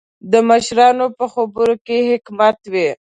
د مشرانو په خبرو کې حکمت وي.